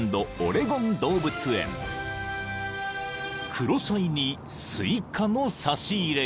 ［クロサイにスイカの差し入れが］